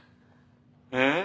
えっ？